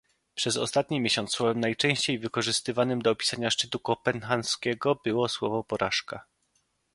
Przez ostatni miesiąc słowem najczęściej wykorzystywanym do opisania szczytu kopenhaskiego było słowo "porażka"